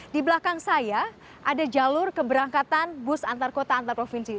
di belakang saya ada jalur keberangkatan bus antar kota antar provinsi